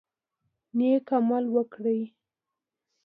نیک عمل وکړئ.